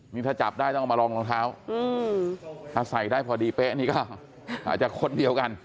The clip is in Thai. นี่ถ้าจับได้ต้องเอามาลองรองเท้าถ้าใส่ได้พอดีเป๊ะนี่ก็อาจจะคนเดียวกัน